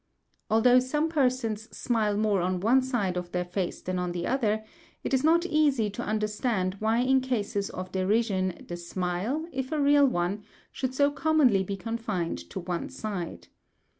Although some persons smile more on one side of their face than on the other, it is not easy to understand why in cases of derision the smile, if a real one, should so commonly be confined to one side.